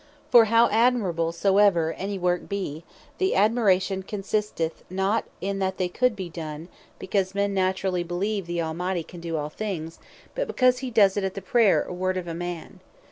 For how admirable soever any work be, the Admiration consisteth not in that it could be done, because men naturally beleeve the Almighty can doe all things, but because he does it at the Prayer, or Word of a man.